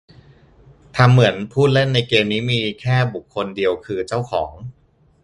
ทำเหมือนผู้เล่นในเกมนี้มีแค่บุคคลเดียวคือเจ้าของ